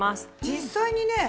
実際にね